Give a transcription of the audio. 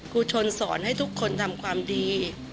ครูชนสอนให้ทุกคนทำความดี